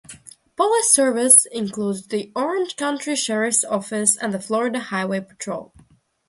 Police service includes the Orange County Sheriff's Office and the Florida Highway Patrol.